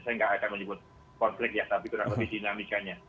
saya nggak akan menyebut konflik ya tapi kurang lebih dinamikanya